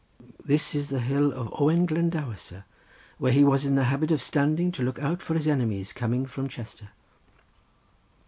This is the hill of Owen Glendower, sir, where he was in the habit of standing to look out for his enemies coming from Chester."